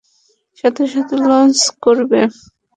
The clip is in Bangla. সাথে সাথে লঞ্চ করবে।